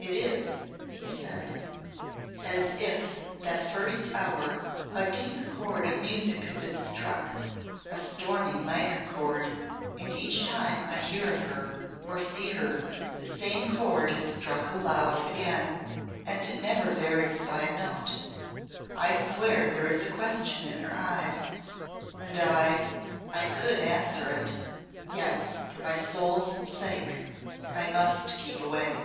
"It is," he said, "as if that first hour a deep chord of music had been struck a stormy minor chord and each time I hear of her or see her the same chord is struck loud again, and never varies by a note. I swear there is a question in her eyes and I I could answer it. Yet, for my soul's sake, I must keep away."